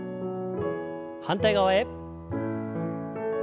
反対側へ。